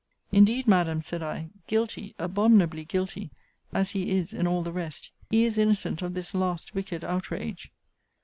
Indeed, Madam, said I, guilty, abominably guilty, as he is in all the rest, he is innocent of this last wicked outrage.